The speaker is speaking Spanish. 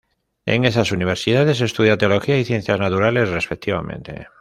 En esas universidades estudia teología y ciencias naturales respectivamente.